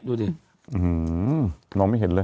อื้อหือน้องไม่เห็นเลย